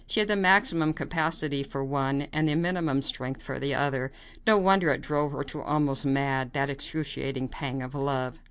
She had the maximum capacity for one and the minimum strength for the other. No wonder it drove her almost mad that excruciating pang of love.